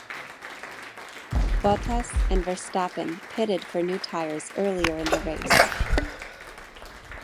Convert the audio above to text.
Bottas and Verstappen pitted for new tyres earlier in the race.